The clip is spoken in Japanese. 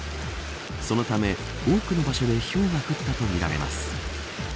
そのため多くの場所でひょうが降ったとみられます。